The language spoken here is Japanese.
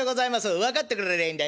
「分かってくれりゃいいんだ。